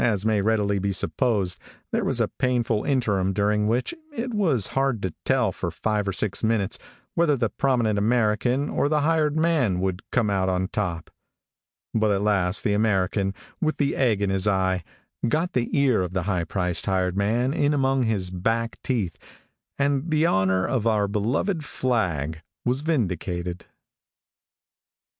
As may readily be supposed, there was a painful interim during which it was hard to tell for five or six minutes whether the prominent American or the hired man would come out on top; but at last the American, with the egg in his eye, got the ear of the high priced hired man in among his back teeth, and the honor of our beloved flag was vindicated.